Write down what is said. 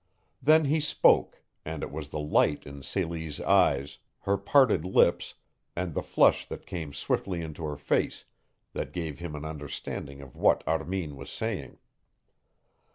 Then he spoke, and it was the light in Celie's eyes, her parted lips, and the flush that came swiftly into her face that gave him an understanding of what Armin was saying.